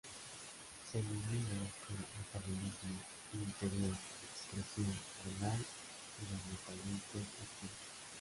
Se elimina por metabolismo y ulterior excreción renal de los metabolitos activos.